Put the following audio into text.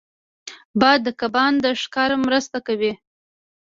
باد د کبان د ښکار مرسته کوي